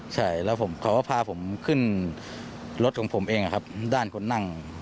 ใช่แล้วเขาก็พาผมขึ้นรถของผมเองด้านคนนั่ง